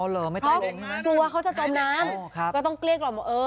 เพราะกลัวเขาจะจมน้ำก็ต้องเกลียดกลับ